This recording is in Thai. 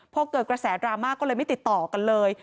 พอเกิดกระแสดราม่าก็เลยไม่ติดต่อกันเลย